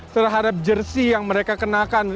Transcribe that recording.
terhadap jersi yang mereka kenakan